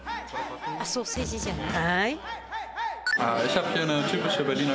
ソーセージじゃない？